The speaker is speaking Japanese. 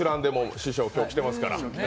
師匠、今日来てますから。